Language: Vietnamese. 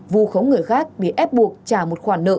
vu khống người khác bị ép buộc trả một khoản nợ